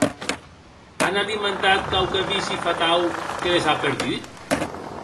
An alimentat quauque vici fatau que les a perdut?